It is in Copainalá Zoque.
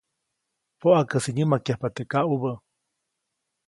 Poʼakäsi nyämakyajpa teʼ kaʼubä.